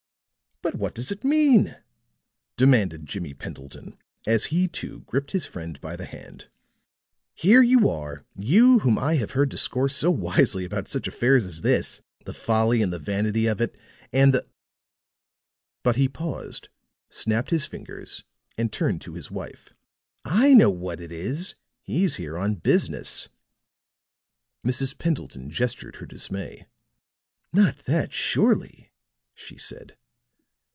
'" "But what does it mean?" demanded Jimmie Pendleton, as he, too, gripped his friend by the hand. "Here you are you whom I have heard discourse so wisely about such affairs as this the folly and the vanity of it, and the " but he paused, snapped his fingers and turned to his wife. "I know what it is! He's here on business." Mrs. Pendleton gestured her dismay. "Not that, surely," she said.